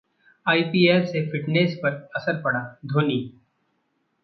IPL से fitness पर असर पड़ा: धोनी